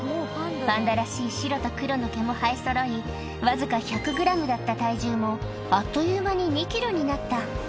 パンダらしい白と黒の毛も生えそろい、僅か１００グラムだった体重も、あっという間に２キロになった。